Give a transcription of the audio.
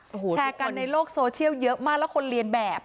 โอ้โหแชร์กันในโลกโซเชียลเยอะมากแล้วคนเรียนแบบ